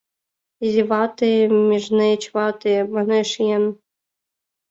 «Изивате — межнеч вате», — манеш еҥ.